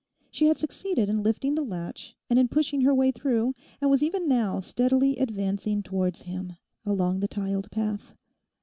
She had succeeded in lifting the latch and in pushing her way through, and was even now steadily advancing towards him along the tiled path.